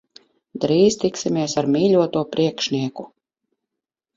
Drīz tiksimies ar mīļoto priekšnieku.